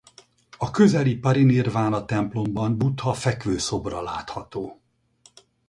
A közeli Parinirvana-templomban Buddha fekvő szobra látható.